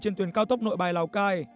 trên tuyến cao tốc nội bài lào cai